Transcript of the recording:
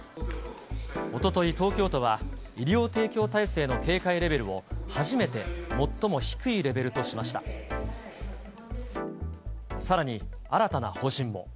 おととい、東京都は、医療提供体制の警戒レベルを初めて、最も低いレベルとしました。